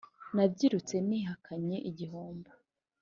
Nabyirutse nihakanye igihombo